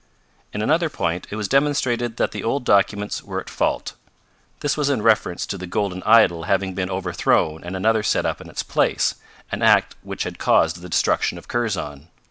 In another point it was demonstrated that the old documents were at fault. This was in reference to the golden idol having been overthrown and another set up in its place, an act which had caused the destruction of Kurzon.